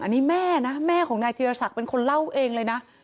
อันนี้แม่นะแม่ของนายธีรศักดิ์เป็นคนเล่าเองเลยนะ